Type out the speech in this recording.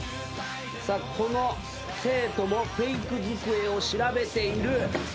さあこの生徒もフェイク机を調べている。